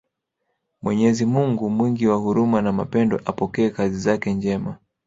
Mwenyezi Mungu mwingi wa huruma na mapendo apokee kazi zake njema